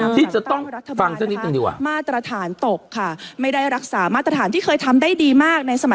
ที่จะต้องฟังสักนิดหนึ่งดีกว่า